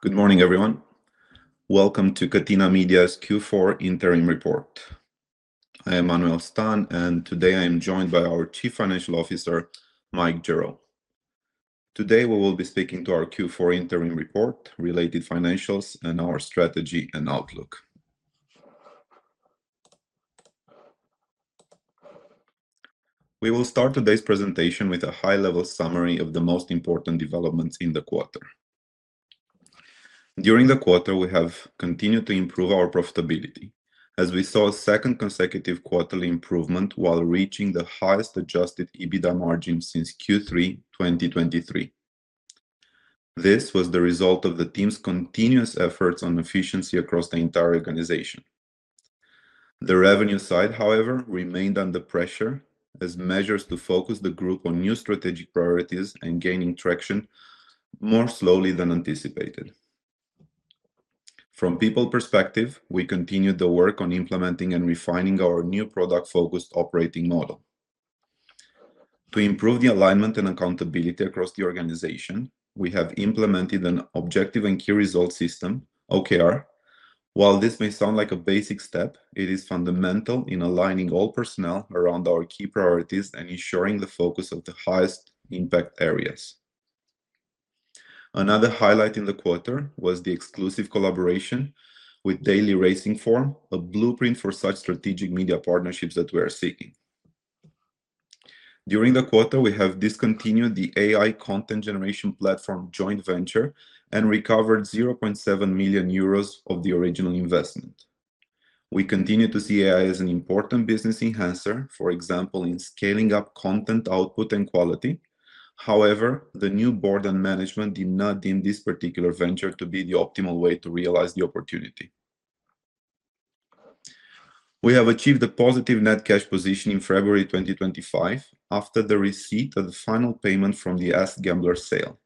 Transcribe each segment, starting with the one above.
Good morning, everyone. Welcome to Catena Media's Q4 Interim Report. I am Manuel Stan, and today I am joined by our Chief Financial Officer, Mike Gerrow. Today we will be speaking to our Q4 Interim Report, related financials, and our strategy and outlook. We will start today's presentation with a high-level summary of the most important developments in the quarter. During the quarter, we have continued to improve our profitability, as we saw a second consecutive quarterly improvement while reaching the highest adjusted EBITDA margin since Q3 2023. This was the result of the team's continuous efforts on efficiency across the entire organization. The revenue side, however, remained under pressure, as measures to focus the group on new strategic priorities and gaining traction more slowly than anticipated. From people perspective, we continued the work on implementing and refining our new product-focused operating model. To improve the alignment and accountability across the organization, we have implemented an Objectives and Key Results system, OKR. While this may sound like a basic step, it is fundamental in aligning all personnel around our key priorities and ensuring the focus of the highest impact areas. Another highlight in the quarter was the exclusive collaboration with Daily Racing Form, a blueprint for such strategic media partnerships that we are seeking. During the quarter, we have discontinued the AI content generation platform joint venture and recovered 0.7 million euros of the original investment. We continue to see AI as an important business enhancer, for example, in scaling up content output and quality. However, the new board and management did not deem this particular venture to be the optimal way to realize the opportunity. We have achieved a positive net cash position in February 2025 after the receipt of the final payment from the AskGamblers sale.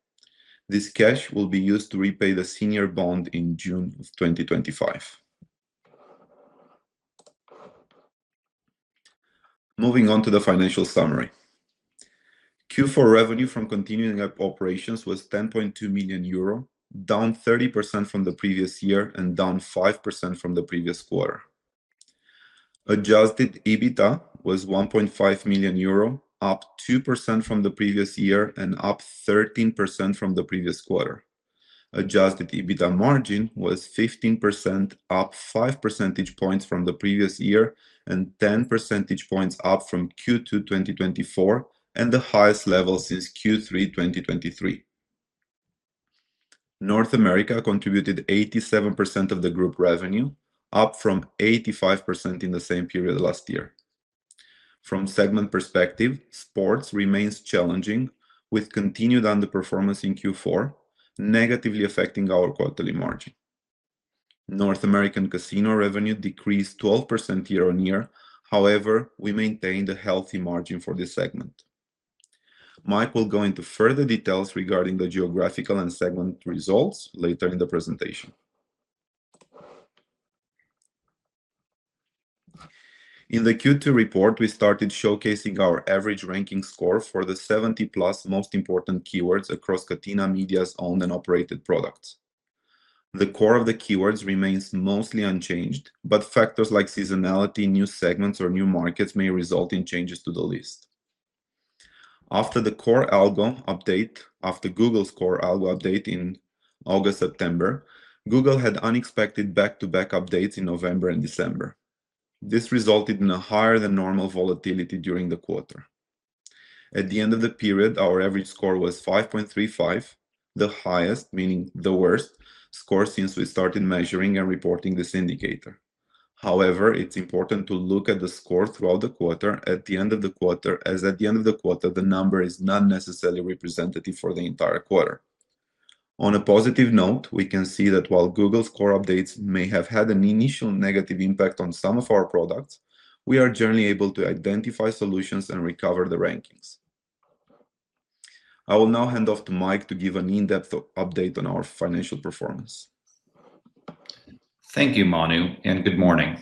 This cash will be used to repay the senior bond in June 2025. Moving on to the financial summary. Q4 revenue from continuing operations was 10.2 million euro, down 30% from the previous year and down 5% from the previous quarter. Adjusted EBITDA was 1.5 million euro, up 2% from the previous year and up 13% from the previous quarter. Adjusted EBITDA margin was 15%, up 5 percentage points from the previous year and 10 percentage points up from Q2 2024 and the highest level since Q3 2023. North America contributed 87% of the group revenue, up from 85% in the same period last year. From segment perspective, sports remains challenging, with continued underperformance in Q4 negatively affecting our quarterly margin. North American casino revenue decreased 12% year-on-year. However, we maintained a healthy margin for this segment. Mike will go into further details regarding the geographical and segment results later in the presentation. In the Q2 report, we started showcasing our average ranking score for the 70+ most important keywords across Catena Media's owned and operated products. The core of the keywords remains mostly unchanged, but factors like seasonality, new segments, or new markets may result in changes to the list. After the core algorithm update, after Google's core algorithm update in August/September, Google had unexpected back-to-back updates in November and December. This resulted in a higher-than-normal volatility during the quarter. At the end of the period, our average score was 5.35, the highest, meaning the worst score since we started measuring and reporting this indicator. However, it's important to look at the score throughout the quarter at the end of the quarter, as at the end of the quarter, the number is not necessarily representative for the entire quarter. On a positive note, we can see that while Google's core updates may have had an initial negative impact on some of our products, we are generally able to identify solutions and recover the rankings. I will now hand off to Mike to give an in-depth update on our financial performance. Thank you, Manu, and good morning.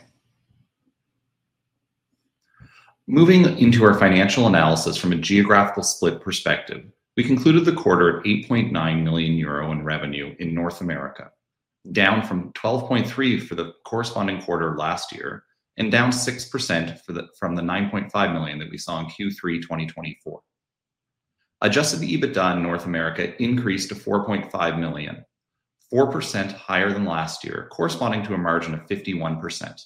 Moving into our financial analysis from a geographical split perspective, we concluded the quarter at 8.9 million euro in revenue in North America, down from 12.3 for the corresponding quarter last year and down 6% from the 9.5 million that we saw in Q3 2024. Adjusted EBITDA in North America increased to 4.5 million, 4% higher than last year, corresponding to a margin of 51%,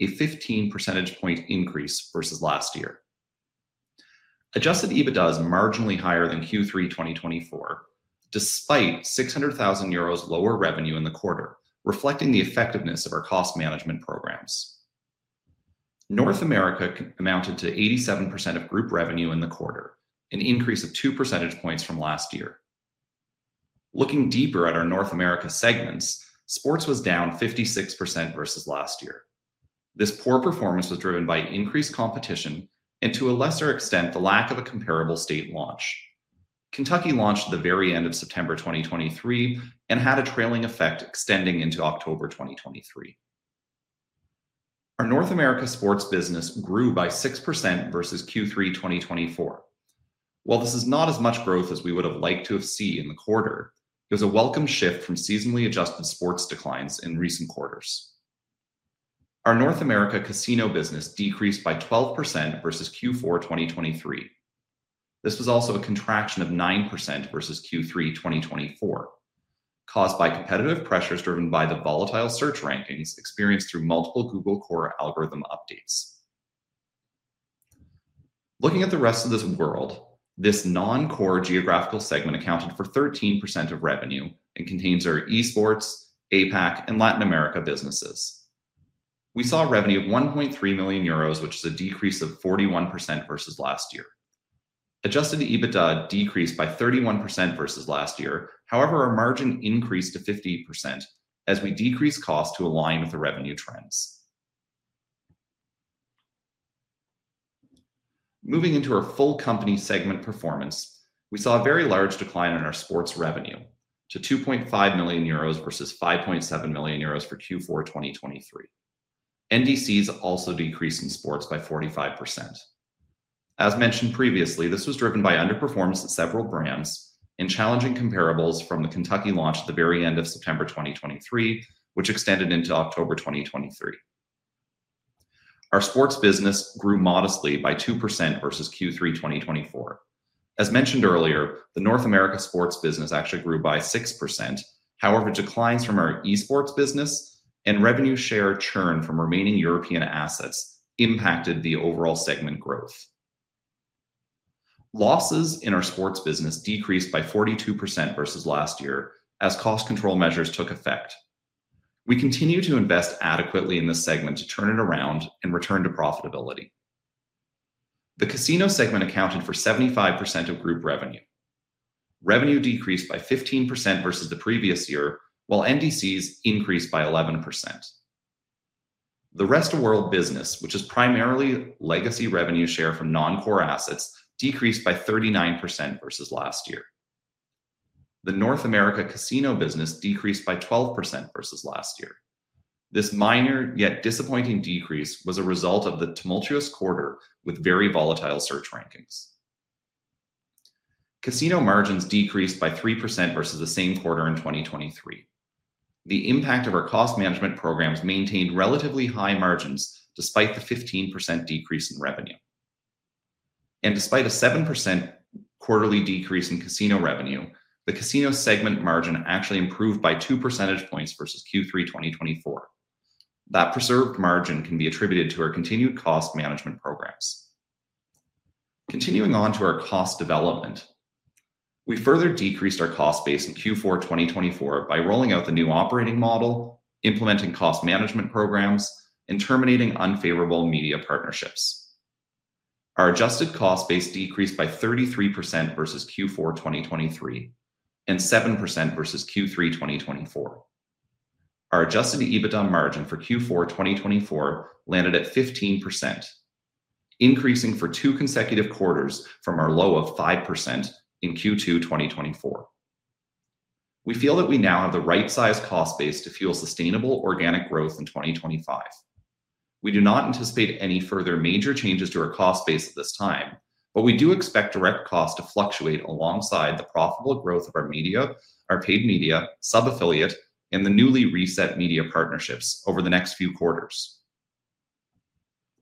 a 15 percentage point increase versus last year. Adjusted EBITDA is marginally higher than Q3 2024, despite 600,000 euros lower revenue in the quarter, reflecting the effectiveness of our cost management programs. North America amounted to 87% of group revenue in the quarter, an increase of 2 percentage points from last year. Looking deeper at our North America segments, sports was down 56% versus last year. This poor performance was driven by increased competition and, to a lesser extent, the lack of a comparable state launch. Kentucky launched at the very end of September 2023 and had a trailing effect extending into October 2023. Our North America sports business grew by 6% versus Q3 2024. While this is not as much growth as we would have liked to have seen in the quarter, it was a welcome shift from seasonally adjusted sports declines in recent quarters. Our North America casino business decreased by 12% versus Q4 2023. This was also a contraction of 9% versus Q3 2024, caused by competitive pressures driven by the volatile search rankings experienced through multiple Google Core algorithm updates. Looking at the Rest of World, this non-core geographical segment accounted for 13% of revenue and contains our Esports, APAC, and Latin America businesses. We saw a revenue of 1.3 million euros, which is a decrease of 41% versus last year. Adjusted EBITDA decreased by 31% versus last year, however, our margin increased to 50% as we decreased costs to align with the revenue trends. Moving into our full company segment performance, we saw a very large decline in our sports revenue to 2.5 million euros versus 5.7 million euros for Q4 2023. NDCs also decreased in sports by 45%. As mentioned previously, this was driven by underperformance at several brands and challenging comparables from the Kentucky launch at the very end of September 2023, which extended into October 2023. Our sports business grew modestly by 2% versus Q3 2024. As mentioned earlier, the North America sports business actually grew by 6%, however, declines from our Esports business and revenue share churn from remaining European assets impacted the overall segment growth. Losses in our sports business decreased by 42% versus last year as cost control measures took effect. We continue to invest adequately in this segment to turn it around and return to profitability. The casino segment accounted for 75% of group revenue. Revenue decreased by 15% versus the previous year, while NDCs increased by 11%. The rest of world business, which is primarily legacy revenue share from non-core assets, decreased by 39% versus last year. The North America casino business decreased by 12% versus last year. This minor yet disappointing decrease was a result of the tumultuous quarter with very volatile search rankings. Casino margins decreased by 3% versus the same quarter in 2023. The impact of our cost management programs maintained relatively high margins despite the 15% decrease in revenue. Despite a 7% quarterly decrease in casino revenue, the casino segment margin actually improved by 2 percentage points versus Q3 2024. That preserved margin can be attributed to our continued cost management programs. Continuing on to our cost development, we further decreased our cost base in Q4 2024 by rolling out the new operating model, implementing cost management programs, and terminating unfavorable media partnerships. Our adjusted cost base decreased by 33% versus Q4 2023 and 7% versus Q3 2024. Our adjusted EBITDA margin for Q4 2024 landed at 15%, increasing for two consecutive quarters from our low of 5% in Q2 2024. We feel that we now have the right-sized cost base to fuel sustainable organic growth in 2025. We do not anticipate any further major changes to our cost base at this time, but we do expect direct costs to fluctuate alongside the profitable growth of our media, our paid media, sub-affiliate, and the newly reset media partnerships over the next few quarters.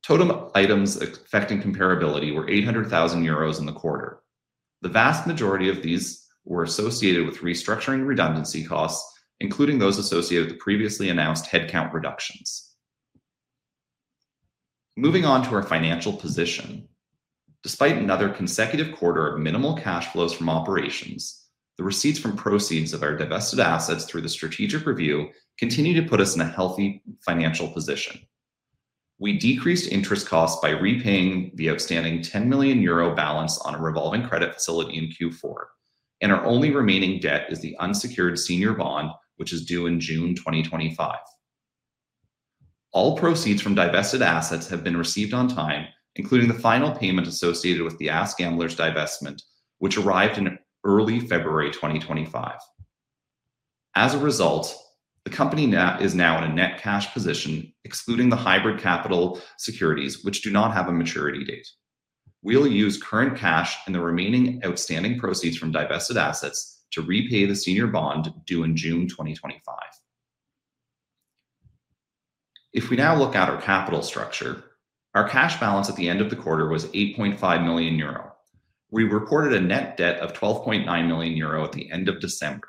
Total items affecting comparability were 800,000 euros in the quarter. The vast majority of these were associated with restructuring redundancy costs, including those associated with the previously announced headcount reductions. Moving on to our financial position, despite another consecutive quarter of minimal cash flows from operations, the receipts from proceeds of our divested assets through the strategic review continue to put us in a healthy financial position. We decreased interest costs by repaying the outstanding 10 million euro balance on a revolving credit facility in Q4, and our only remaining debt is the unsecured senior bond, which is due in June 2025. All proceeds from divested assets have been received on time, including the final payment associated with the AskGamblers divestment, which arrived in early February 2025. As a result, the company is now in a net cash position, excluding the hybrid capital securities, which do not have a maturity date. We will use current cash and the remaining outstanding proceeds from divested assets to repay the senior bond due in June 2025. If we now look at our capital structure, our cash balance at the end of the quarter was 8.5 million euro. We reported a net debt of 12.9 million euro at the end of December.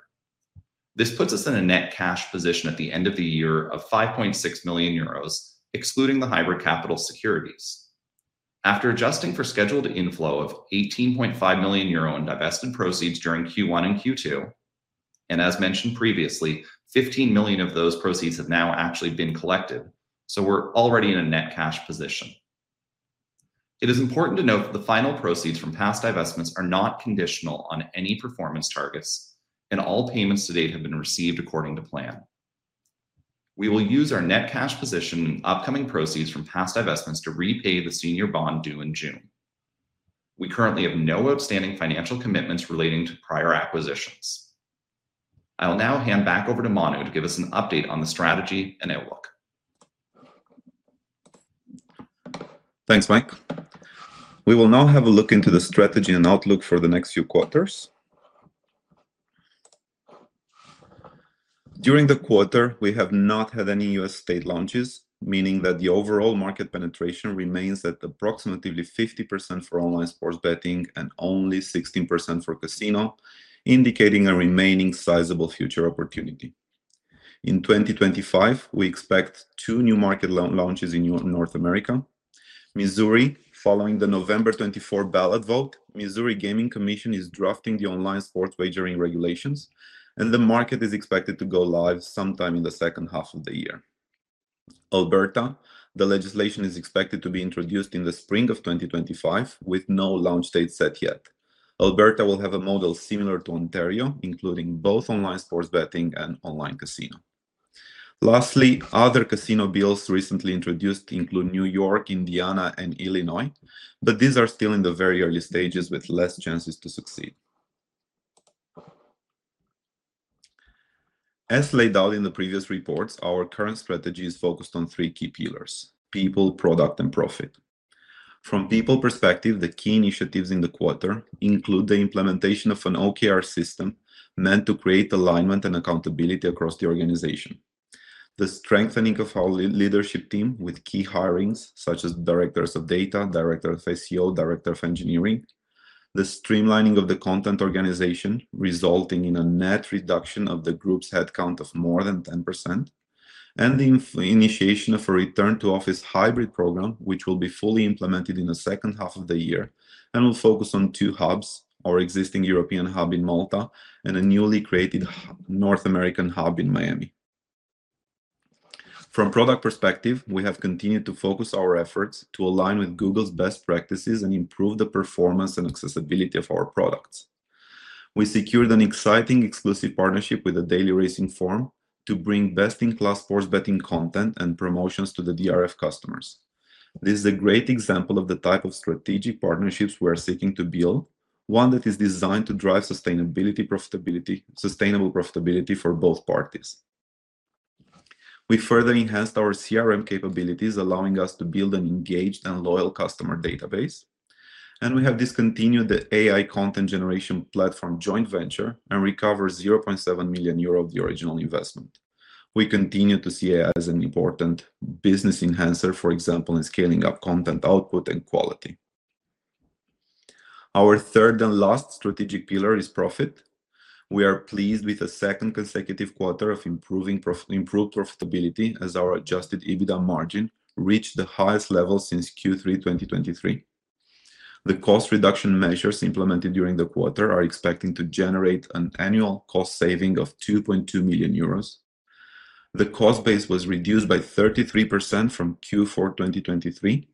This puts us in a net cash position at the end of the year of 5.6 million euros, excluding the hybrid capital securities. After adjusting for scheduled inflow of 18.5 million euro in divested proceeds during Q1 and Q2, and as mentioned previously, 15 million of those proceeds have now actually been collected, so we're already in a net cash position. It is important to note that the final proceeds from past divestments are not conditional on any performance targets, and all payments to date have been received according to plan. We will use our net cash position and upcoming proceeds from past divestments to repay the senior bond due in June. We currently have no outstanding financial commitments relating to prior acquisitions. I'll now hand back over to Manu to give us an update on the strategy and outlook. Thanks, Mike. We will now have a look into the strategy and outlook for the next few quarters. During the quarter, we have not had any U.S. state launches, meaning that the overall market penetration remains at approximately 50% for online sports betting and only 16% for casino, indicating a remaining sizable future opportunity. In 2025, we expect two new market launches in North America. Missouri, following the November 2024 ballot vote, the Missouri Gaming Commission is drafting the online sports wagering regulations, and the market is expected to go live sometime in the second half of the year. Alberta, the legislation is expected to be introduced in the spring of 2025, with no launch date set yet. Alberta will have a model similar to Ontario, including both online sports betting and online casino. Lastly, other casino bills recently introduced include New York, Indiana, and Illinois, but these are still in the very early stages with less chances to succeed. As laid out in the previous reports, our current strategy is focused on three key pillars: people, product, and profit. From people perspective, the key initiatives in the quarter include the implementation of an OKR system meant to create alignment and accountability across the organization, the strengthening of our leadership team with key hirings such as Directors of Data, Director of SEO, Director of Engineering, the streamlining of the content organization, resulting in a net reduction of the group's headcount of more than 10%, and the initiation of a return-to-office hybrid program, which will be fully implemented in the second half of the year and will focus on two hubs: our existing European hub in Malta and a newly created North American hub in Miami. From product perspective, we have continued to focus our efforts to align with Google's best practices and improve the performance and accessibility of our products. We secured an exciting exclusive partnership with the Daily Racing Form to bring best-in-class sports betting content and promotions to the DRF customers. This is a great example of the type of strategic partnerships we are seeking to build, one that is designed to drive sustainable profitability for both parties. We further enhanced our CRM capabilities, allowing us to build an engaged and loyal customer database, and we have discontinued the AI content generation platform joint venture and recovered 0.7 million euro of the original investment. We continue to see it as an important business enhancer, for example, in scaling up content output and quality. Our third and last strategic pillar is profit. We are pleased with the second consecutive quarter of improved profitability as our adjusted EBITDA margin reached the highest level since Q3 2023. The cost reduction measures implemented during the quarter are expected to generate an annual cost saving of 2.2 million euros. The cost base was reduced by 33% from Q4 2023,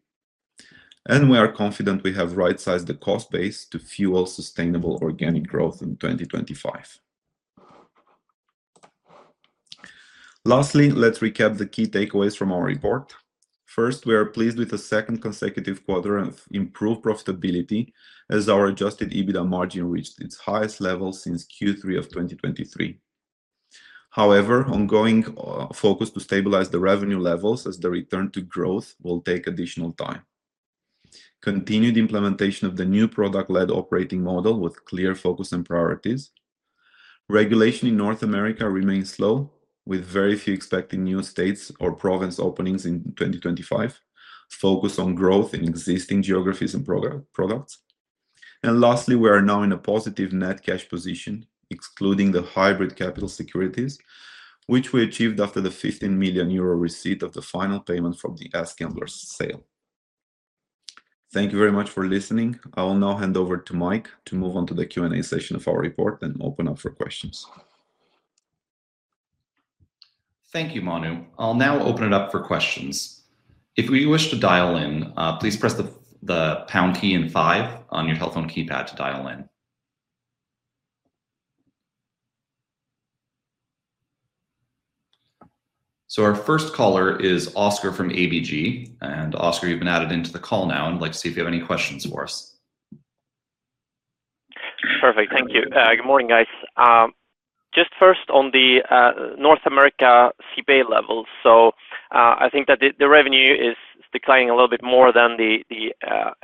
and we are confident we have right-sized the cost base to fuel sustainable organic growth in 2025. Lastly, let's recap the key takeaways from our report. First, we are pleased with the second consecutive quarter of improved profitability as our adjusted EBITDA margin reached its highest level since Q3 of 2023. However, ongoing focus to stabilize the revenue levels as the return to growth will take additional time. Continued implementation of the new product-led operating model with clear focus and priorities. Regulation in North America remains slow, with very few expecting new states or province openings in 2025. Focus on growth in existing geographies and products. Lastly, we are now in a positive net cash position, excluding the hybrid capital securities, which we achieved after the 15 million euro receipt of the final payment from the AskGamblers sale. Thank you very much for listening. I will now hand over to Mike to move on to the Q&A session of our report and open up for questions. Thank you, Manu. I'll now open it up for questions. If you wish to dial in, please press the pound key and five on your telephone keypad to dial in. Our first caller is Oscar from ABG. Oscar, you've been added into the call now, and I'd like to see if you have any questions for us. Perfect. Thank you. Good morning, guys. Just first, on the North America CPA level, I think that the revenue is declining a little bit more than the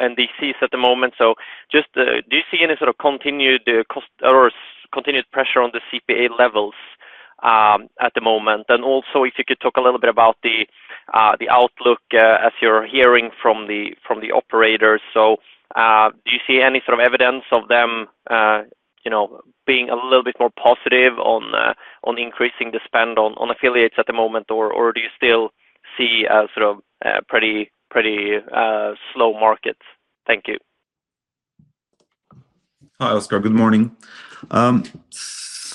NDCs at the moment. Do you see any sort of continued cost or continued pressure on the CPA levels at the moment? Also, if you could talk a little bit about the outlook as you're hearing from the operators. Do you see any sort of evidence of them being a little bit more positive on increasing the spend on affiliates at the moment, or do you still see a sort of pretty slow market? Thank you. Hi, Oscar. Good morning.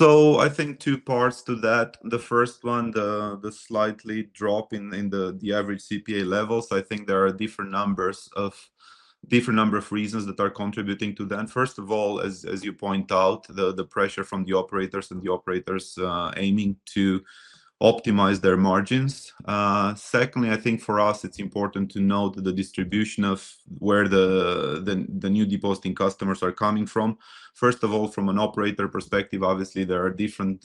I think two parts to that. The first one, the slight drop in the average CPA levels. I think there are a different number of reasons that are contributing to that. First of all, as you point out, the pressure from the operators and the operators aiming to optimize their margins. Secondly, I think for us, it's important to note the distribution of where the new depositing customers are coming from. First of all, from an operator perspective, obviously, there are different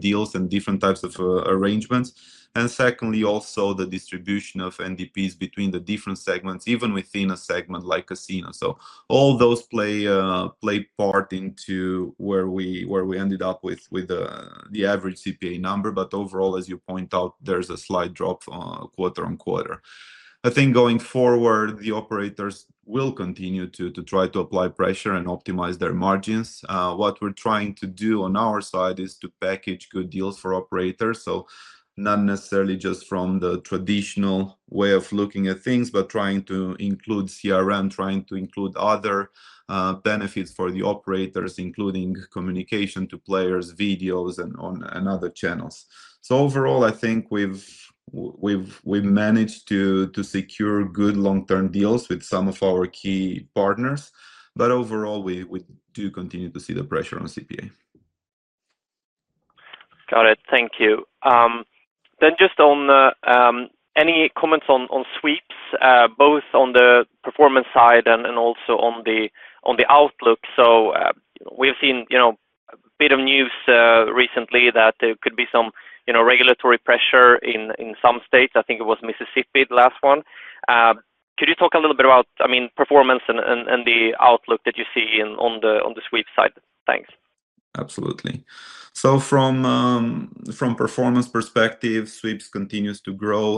deals and different types of arrangements. Secondly, also the distribution of NDCs between the different segments, even within a segment like casino. All those play part into where we ended up with the average CPA number. Overall, as you point out, there's a slight drop quarter on quarter. I think going forward, the operators will continue to try to apply pressure and optimize their margins. What we're trying to do on our side is to package good deals for operators, not necessarily just from the traditional way of looking at things, but trying to include CRM, trying to include other benefits for the operators, including communication to players, videos, and other channels. Overall, I think we've managed to secure good long-term deals with some of our key partners. Overall, we do continue to see the pressure on CPA. Got it. Thank you. Just on any comments on sweeps, both on the performance side and also on the outlook. We have seen a bit of news recently that there could be some regulatory pressure in some states. I think it was Mississippi, the last one. Could you talk a little bit about, I mean, performance and the outlook that you see on the sweep side? Thanks. Absolutely. From a performance perspective, sweeps continues to grow.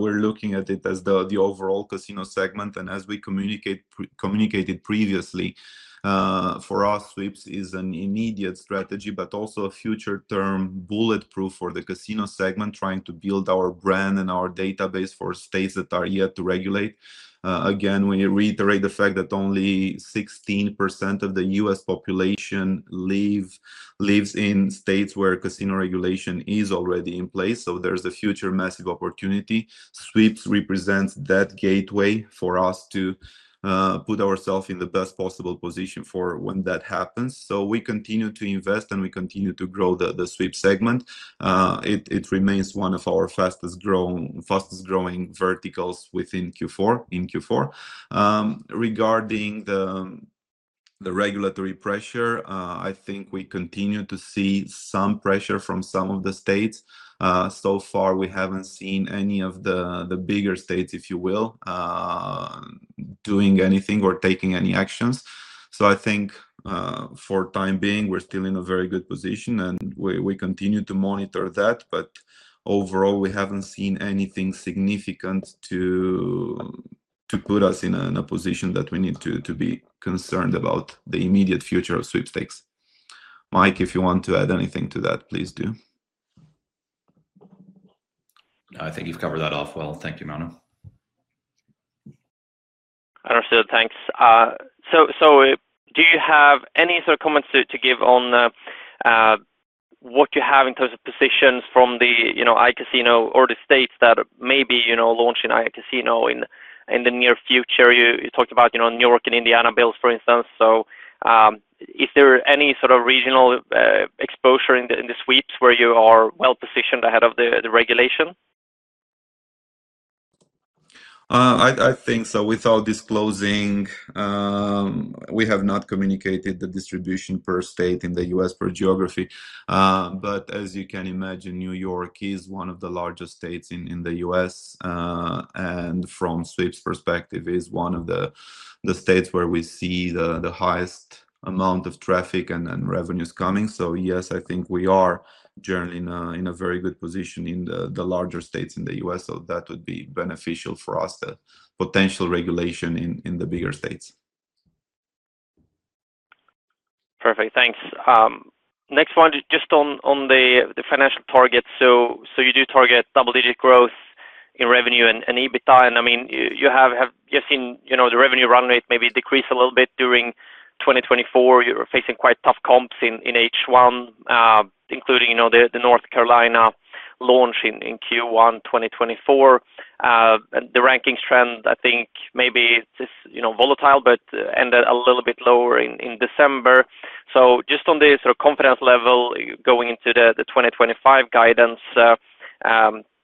We are looking at it as the overall casino segment. As we communicated previously, for us, sweeps is an immediate strategy, but also a future-term bulletproof for the casino segment, trying to build our brand and our database for states that are yet to regulate. Again, we reiterate the fact that only 16% of the U.S. population lives in states where casino regulation is already in place. There is a future massive opportunity. Sweeps represents that gateway for us to put ourselves in the best possible position for when that happens. We continue to invest, and we continue to grow the sweeps segment. It remains one of our fastest-growing verticals within Q4. Regarding the regulatory pressure, I think we continue to see some pressure from some of the states. So far, we have not seen any of the bigger states, if you will, doing anything or taking any actions. I think for the time being, we are still in a very good position, and we continue to monitor that. Overall, we have not seen anything significant to put us in a position that we need to be concerned about the immediate future of sweepstakes. Mike, if you want to add anything to that, please do. I think you've covered that off well. Thank you, Manu. Understood. Thanks. Do you have any sort of comments to give on what you have in terms of positions from the iCasino or the states that may be launching iCasino in the near future? You talked about New York and Indiana bills, for instance. Is there any sort of regional exposure in the sweeps where you are well-positioned ahead of the regulation? I think so. Without disclosing, we have not communicated the distribution per state in the U.S. per geography. As you can imagine, New York is one of the largest states in the U.S., and from a sweeps perspective, is one of the states where we see the highest amount of traffic and revenues coming. Yes, I think we are generally in a very good position in the larger states in the U.S. That would be beneficial for us, the potential regulation in the bigger states. Perfect. Thanks. Next one, just on the financial targets. You do target double-digit growth in revenue and EBITDA. I mean, you have seen the revenue run rate maybe decrease a little bit during 2024. You were facing quite tough comps in H1, including the North Carolina launch in Q1 2024. The rankings trend, I think, maybe it is volatile, but ended a little bit lower in December. Just on the sort of confidence level going into the 2025 guidance,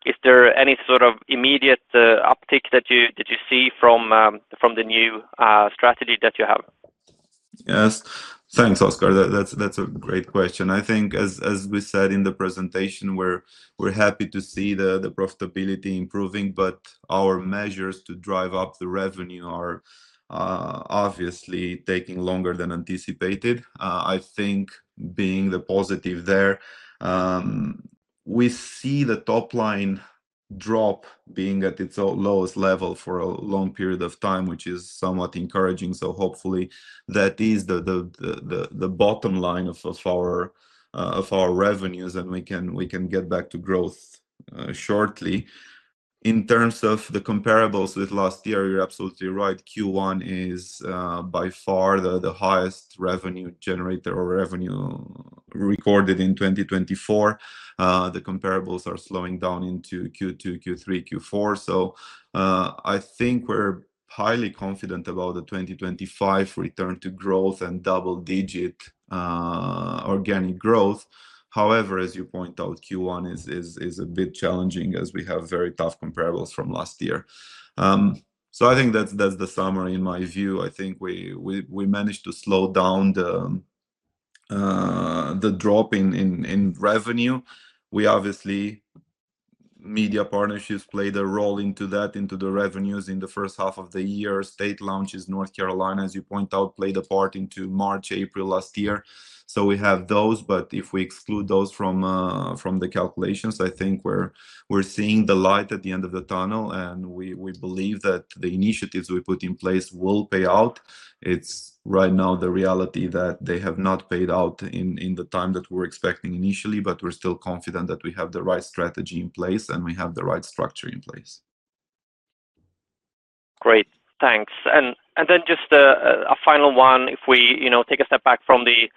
is there any sort of immediate uptick that you see from the new strategy that you have? Yes. Thanks, Oscar. That's a great question. I think, as we said in the presentation, we're happy to see the profitability improving, but our measures to drive up the revenue are obviously taking longer than anticipated. I think being the positive there, we see the top line drop being at its lowest level for a long period of time, which is somewhat encouraging. Hopefully, that is the bottom line of our revenues, and we can get back to growth shortly. In terms of the comparables with last year, you're absolutely right. Q1 is by far the highest revenue generator or revenue recorded in 2024. The comparables are slowing down into Q2, Q3, Q4. I think we're highly confident about the 2025 return to growth and double-digit organic growth. However, as you point out, Q1 is a bit challenging as we have very tough comparables from last year. I think that's the summary in my view. I think we managed to slow down the drop in revenue. We obviously, media partnerships played a role into that, into the revenues in the first half of the year. State launches, North Carolina, as you point out, played a part into March, April last year. We have those. If we exclude those from the calculations, I think we're seeing the light at the end of the tunnel, and we believe that the initiatives we put in place will pay out. It's right now the reality that they have not paid out in the time that we were expecting initially, but we're still confident that we have the right strategy in place and we have the right structure in place. Great. Thanks. Just a final one, if we take a step back from the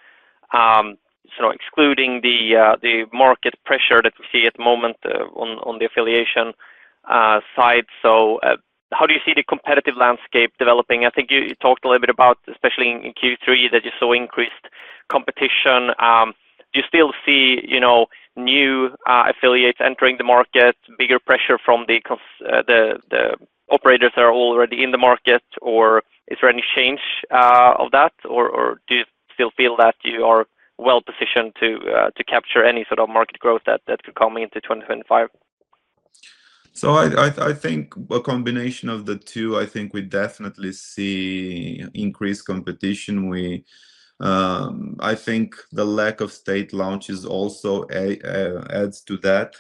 sort of excluding the market pressure that we see at the moment on the affiliation side. How do you see the competitive landscape developing? I think you talked a little bit about, especially in Q3, that you saw increased competition. Do you still see new affiliates entering the market, bigger pressure from the operators that are already in the market, or is there any change of that, or do you still feel that you are well-positioned to capture any sort of market growth that could come into 2025? I think a combination of the two. I think we definitely see increased competition. I think the lack of state launches also adds to that.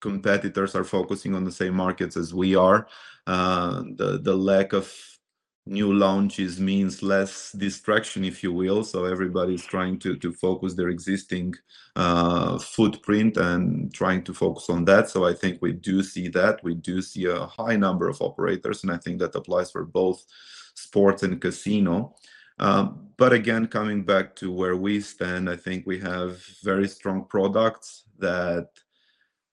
Competitors are focusing on the same markets as we are. The lack of new launches means less distraction, if you will. Everybody's trying to focus their existing footprint and trying to focus on that. I think we do see that. We do see a high number of operators, and I think that applies for both sports and casino. Again, coming back to where we stand, I think we have very strong products that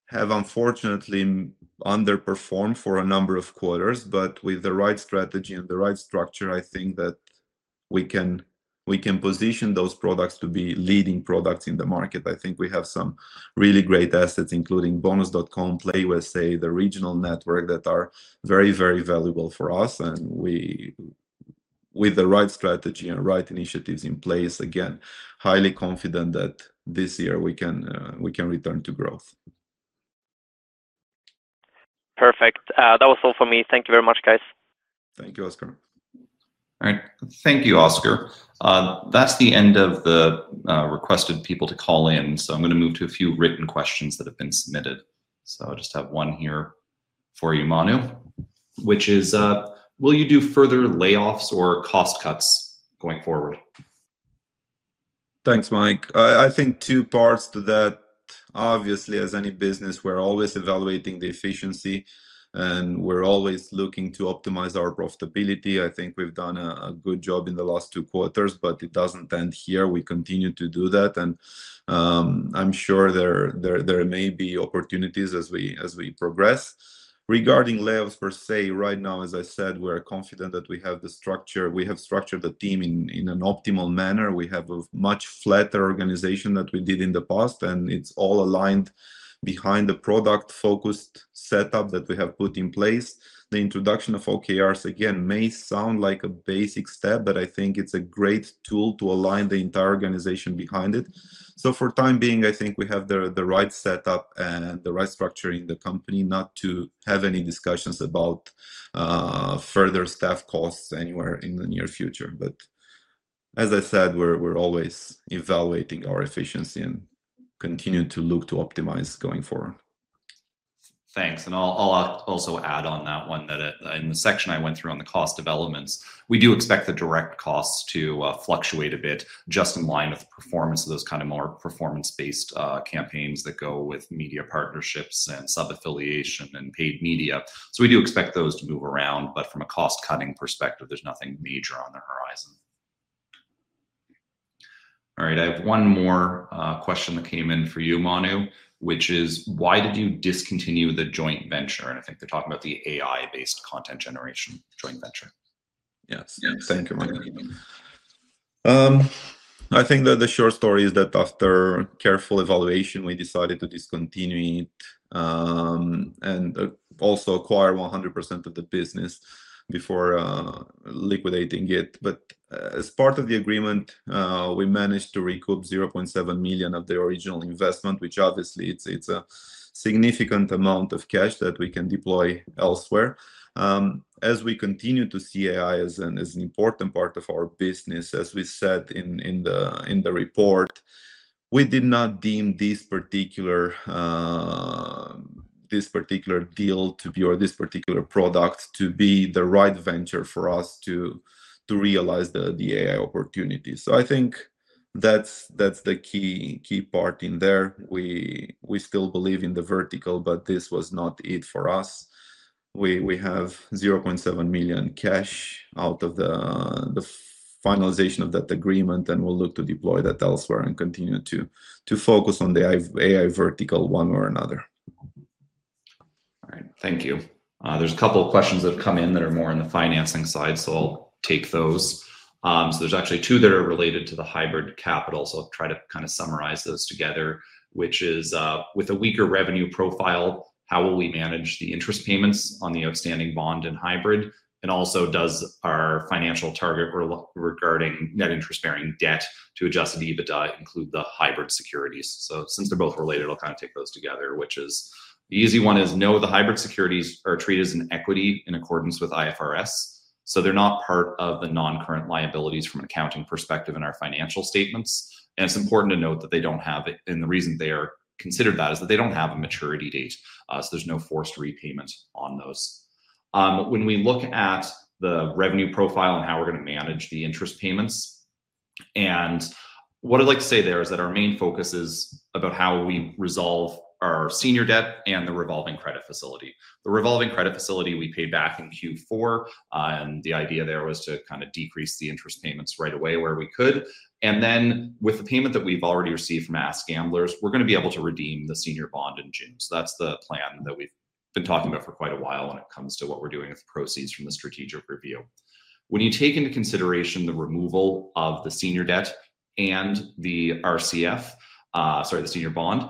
have unfortunately underperformed for a number of quarters. With the right strategy and the right structure, I think that we can position those products to be leading products in the market. I think we have some really great assets, including Bonus.com, PlayUSA, the regional network that are very, very valuable for us. With the right strategy and right initiatives in place, again, highly confident that this year we can return to growth. Perfect. That was all for me. Thank you very much, guys. Thank you, Oscar. All right. Thank you, Oscar. That is the end of the requested people to call in. I am going to move to a few written questions that have been submitted. I just have one here for you, Manu, which is, will you do further layoffs or cost cuts going forward? Thanks, Mike. I think two parts to that. Obviously, as any business, we're always evaluating the efficiency, and we're always looking to optimize our profitability. I think we've done a good job in the last two quarters, but it doesn't end here. We continue to do that. I'm sure there may be opportunities as we progress. Regarding layoffs per se, right now, as I said, we're confident that we have the structure. We have structured the team in an optimal manner. We have a much flatter organization than we did in the past, and it's all aligned behind the product-focused setup that we have put in place. The introduction of OKRs, again, may sound like a basic step, but I think it's a great tool to align the entire organization behind it. For the time being, I think we have the right setup and the right structure in the company not to have any discussions about further staff costs anywhere in the near future. As I said, we're always evaluating our efficiency and continue to look to optimize going forward. Thanks. I'll also add on that one that in the section I went through on the cost developments, we do expect the direct costs to fluctuate a bit just in line with the performance of those kind of more performance-based campaigns that go with media partnerships and sub-affiliation and paid media. We do expect those to move around. From a cost-cutting perspective, there's nothing major on the horizon. All right. I have one more question that came in for you, Manu, which is, why did you discontinue the joint venture? I think they're talking about the AI-based content generation joint venture. Yes. Thank you, Mike. I think that the short story is that after careful evaluation, we decided to discontinue it and also acquire 100% of the business before liquidating it. As part of the agreement, we managed to recoup 0.7 million of the original investment, which obviously is a significant amount of cash that we can deploy elsewhere. As we continue to see AI as an important part of our business, as we said in the report, we did not deem this particular deal or this particular product to be the right venture for us to realize the AI opportunity. I think that is the key part in there. We still believe in the vertical, but this was not it for us. We have 0.7 million cash out of the finalization of that agreement, and we'll look to deploy that elsewhere and continue to focus on the AI vertical one way or another. All right. Thank you. There's a couple of questions that have come in that are more on the financing side, so I'll take those. There's actually two that are related to the hybrid capital. I'll try to kind of summarize those together, which is, with a weaker revenue profile, how will we manage the interest payments on the outstanding bond and hybrid? Also, does our financial target regarding net interest-bearing debt to adjusted EBITDA include the hybrid securities? Since they're both related, I'll kind of take those together, which is the easy one is, no, the hybrid securities are treated as an equity in accordance with IFRS. They're not part of the non-current liabilities from an accounting perspective in our financial statements. It's important to note that they don't have it. The reason they are considered that is that they do not have a maturity date. There is no forced repayment on those. When we look at the revenue profile and how we are going to manage the interest payments, what I would like to say there is that our main focus is about how we resolve our senior debt and the revolving credit facility. The revolving credit facility we paid back in Q4, and the idea there was to decrease the interest payments right away where we could. With the payment that we have already received from AskGamblers, we are going to be able to redeem the senior bond in June. That is the plan that we have been talking about for quite a while when it comes to what we are doing with the proceeds from the strategic review. When you take into consideration the removal of the senior debt and the RCF, sorry, the senior bond,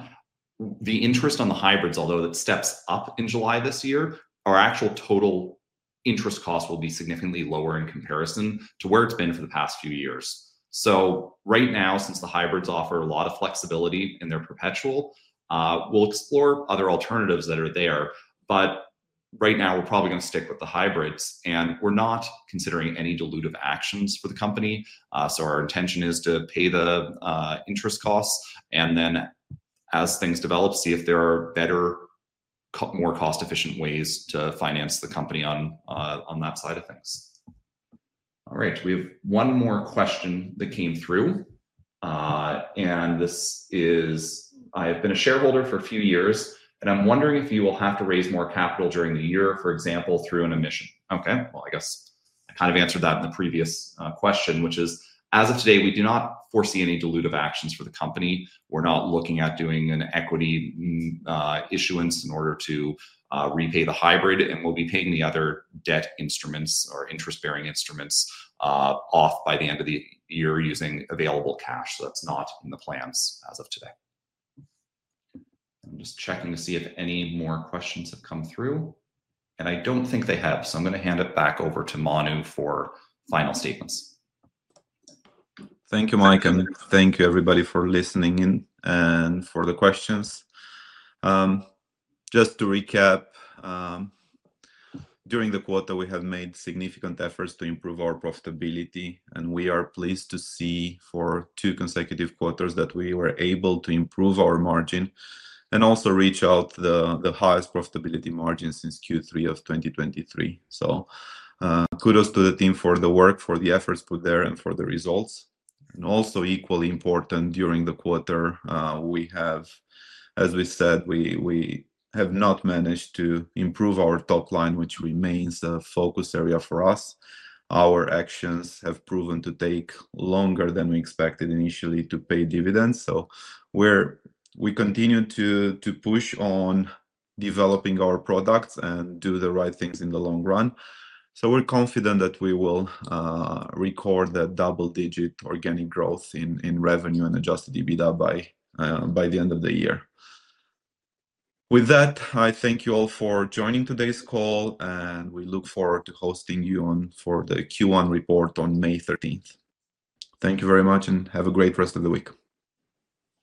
the interest on the hybrids, although that steps up in July this year, our actual total interest cost will be significantly lower in comparison to where it's been for the past few years. Right now, since the hybrids offer a lot of flexibility and they're perpetual, we'll explore other alternatives that are there. Right now, we're probably going to stick with the hybrids, and we're not considering any dilutive actions for the company. Our intention is to pay the interest costs and then, as things develop, see if there are better, more cost-efficient ways to finance the company on that side of things. All right. We have one more question that came through. I have been a shareholder for a few years, and I'm wondering if you will have to raise more capital during the year, for example, through an emission. Okay. I guess I kind of answered that in the previous question, which is, as of today, we do not foresee any dilutive actions for the company. We're not looking at doing an equity issuance in order to repay the hybrid, and we'll be paying the other debt instruments or interest-bearing instruments off by the end of the year using available cash. That's not in the plans as of today. I'm just checking to see if any more questions have come through. I don't think they have. I'm going to hand it back over to Manu for final statements. Thank you, Mike. Thank you, everybody, for listening in and for the questions. Just to recap, during the quarter, we have made significant efforts to improve our profitability, and we are pleased to see for two consecutive quarters that we were able to improve our margin and also reach out the highest profitability margin since Q3 of 2023. Kudos to the team for the work, for the efforts put there, and for the results. Also equally important during the quarter, we have, as we said, we have not managed to improve our top line, which remains a focus area for us. Our actions have proven to take longer than we expected initially to pay dividends. We continue to push on developing our products and do the right things in the long run. We're confident that we will record that double-digit organic growth in revenue and adjusted EBITDA by the end of the year. With that, I thank you all for joining today's call, and we look forward to hosting you for the Q1 report on May 13th. Thank you very much, and have a great rest of the week.